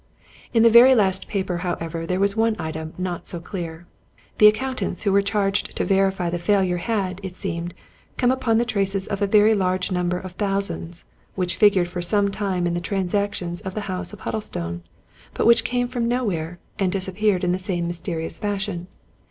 In the very last paper, however, there was one item not so clear. The accountants who were charged to verify the failure had, it seemed, come upon the traces of a very large number of thousands, which figured for some time in the transactions of the house of Huddlestone ; but which came from nowhere, and disappeared in the same mysterious fashion.